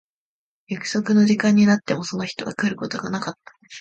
約束の時間になってもその人は来ることがなかった。